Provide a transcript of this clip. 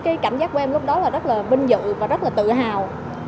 cái cảm giác của em lúc đó là rất là vinh dự và rất là tự hào